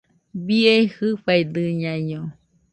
¡Bie jɨfaidɨñaino!